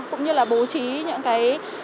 cũng như là bố trí những cái